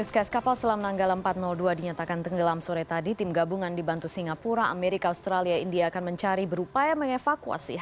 kepala staff angkatan laut